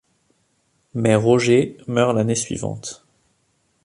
Mais Roger meurt l’année suivante.